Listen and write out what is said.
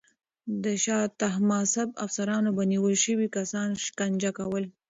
د شاه طهماسب افسرانو به نیول شوي کسان شکنجه کول.